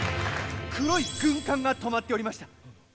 黒い軍艦が泊まっておりました。